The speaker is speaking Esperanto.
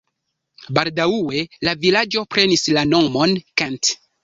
Baldaŭe la vilaĝo prenis la nomon Kent.